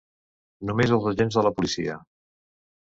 Només els agents de la policia.